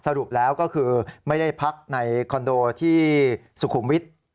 สรุปแล้วก็คือไม่ได้พักในคอนโดที่สุขุมวิทย์